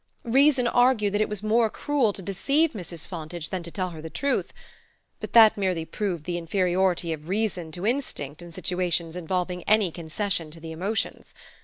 Reason argued that it was more cruel to deceive Mrs. Fontage than to tell her the truth; but that merely proved the inferiority of reason to instinct in situations involving any concession to the emotions.